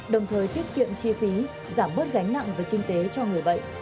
đồng thời tiết kiệm chi phí giảm bớt gánh nặng về kinh tế cho người bệnh